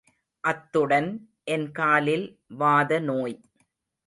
அத்துடன் என் காலில் வாதநோய்.